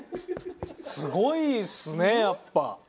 すごいですねやっぱ。